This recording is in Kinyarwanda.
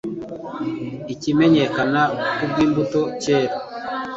kimenyekana ku bw'imbuto cyera